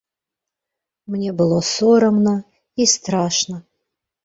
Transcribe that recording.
Мне было сорамна і страшна.